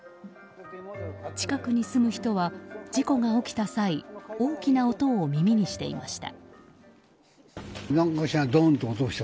近くに住む人は事故が起きた際大きな音を耳にしていました。